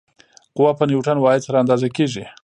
قوه په نیوټن واحد سره اندازه کېږي.